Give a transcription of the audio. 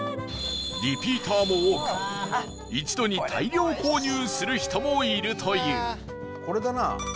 リピーターも多く一度に大量購入する人もいるという伊達：これだな。